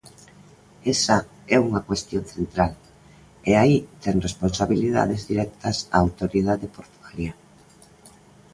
Esa é unha cuestión central, e aí ten responsabilidades directas a Autoridade Portuaria.